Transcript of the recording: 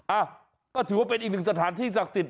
อ่ะก็ถือว่าเป็นอีกหนึ่งสถานที่ศักดิ์สิทธิ